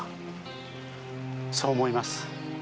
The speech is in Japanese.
そう思います。